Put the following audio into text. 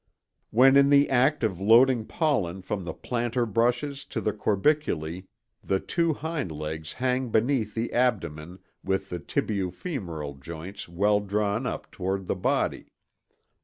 When in the act of loading pollen from the plantar brushes to the corbiculæ the two hind legs hang beneath the abdomen with the tibio femoral joints well drawn up toward the body.